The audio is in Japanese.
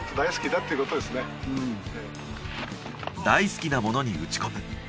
大好きなものに打ち込む。